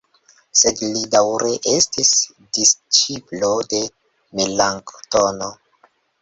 Sed li daŭre estis disĉiplo de Melanktono.